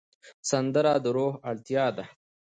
سندره د روح اړتیا ده